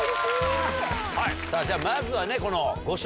はいじゃあまずはこの。